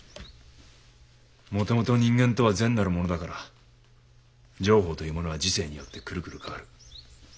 もともと人間とは善なるものだから定法というものは時世によってくるくる変わる。